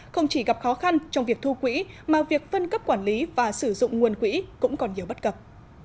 không chỉ gặp khó khăn trong việc thu quỹ mà việc phân cấp quản lý và sử dụng nguồn quỹ cũng còn nhiều bất cập